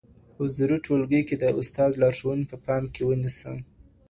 حضوري ټولګي کي د استاد لارښوونې په پام کي ونیسه.